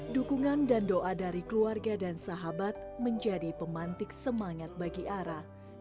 dukungan dan doa dari keluarga dan sahabat menjadi pemantik semangat bagi ara